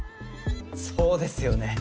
そうですよね